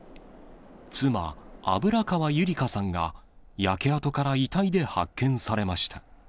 妻、油川優理香さんが焼け跡から遺体で発見されました。